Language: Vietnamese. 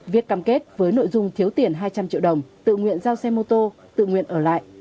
viết cam kết với nội dung thiếu tiền hai trăm linh triệu đồng tự nguyện giao xe mô tô tự nguyện ở lại